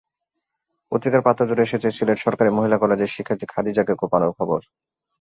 পত্রিকার পাতাজুড়ে এসেছে সিলেট সরকারি মহিলা কলেজের শিক্ষার্থী খাদিজাকে কোপানোর খবর।